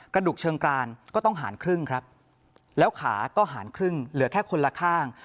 กระดูกเชิงกรานก็ต้องหารครึ่งครับแล้วขาก็หารครึ่งเหลือแค่คนละข้าง